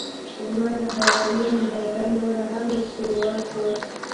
زما د حیرانۍ اندازه نوره هم سیوا شوه.